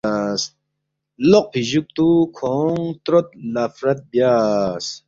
لوقفی جُوکتُو کھونگ تروت لفرت بیاس